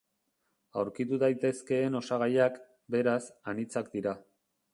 Aurkitu daitezkeen osagaiak, beraz, anitzak dira.